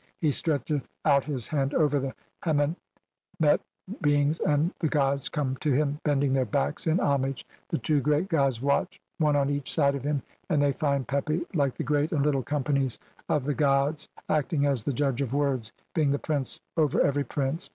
He stretcheth out his "hand over the henmemet beings, and the gods come "to him, bending their backs in homage. The two great "gods watch one on each side of him and they find "Pepi, like the Great and Little Companies of the "gods acting as the judge of words, being the prince "[over] every prince.